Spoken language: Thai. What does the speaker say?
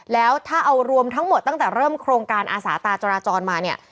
แล้วถ้าเอารวมทั้งหมดตั้งแต่เริ่มโครงการอาสาตาจราจรมาเนี่ย